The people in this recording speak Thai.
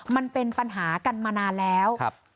มันเป็นปัญหากันมานานแล้ว